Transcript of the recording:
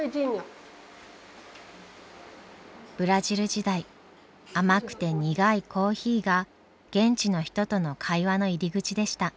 ブラジル時代甘くて苦いコーヒーが現地の人との会話の入り口でした。